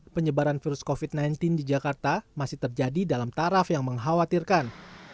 penyebaran virus covid sembilan belas di jakarta masih terjadi dalam taraf yang mengkhawatirkan